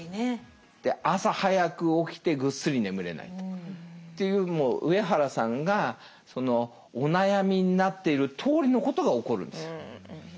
朝早く起きてぐっすり眠れないと。という上原さんがお悩みになっているとおりのことが起こるんですよ。